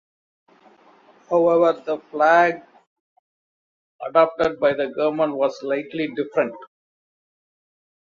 However, the flag adopted by the government was slightly different.